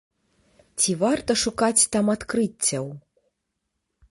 Ці варта шукаць там адкрыццяў?